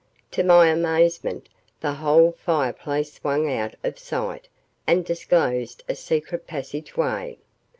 To my amazement, the whole fireplace swung out of sight and disclosed a secret passageway.